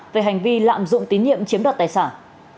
về hành vi lạm dụng tín nhiệm chiếm đoạt tài sản